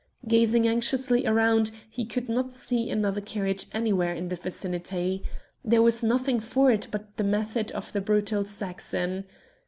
Gazing anxiously around, he could not see another carriage anywhere in the vicinity. There was nothing for it but the method of the brutal Saxon.